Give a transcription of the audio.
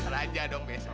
raja dong besok